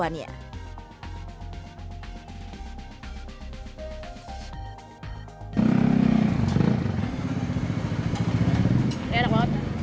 ini enak banget